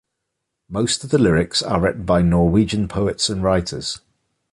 Most of the lyrics are written by Norwegian poets and writers.